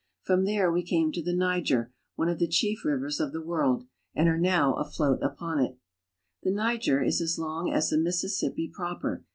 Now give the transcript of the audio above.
From there we came to the ||4iger, one of the chief rivers of the world, and are now £oat upon it. The Niger is as long as the Mississippi proper.